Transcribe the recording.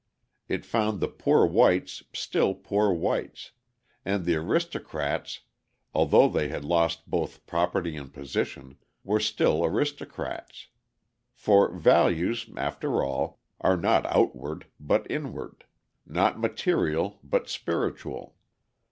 It found the poor whites still poor whites; and the aristocrats, although they had lost both property and position, were still aristocrats. For values, after all, are not outward, but inward: not material, but spiritual.